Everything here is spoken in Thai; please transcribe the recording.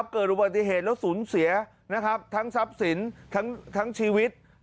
เกิดอุบัติเหตุแล้วสูญเสียทั้งทรัพย์สินทั้งชีวิต